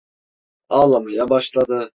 Ağlamaya başladı.